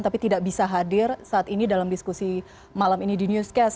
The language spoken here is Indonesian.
tapi tidak bisa hadir saat ini dalam diskusi malam ini di newscast